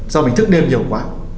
do mình thức đêm nhiều quá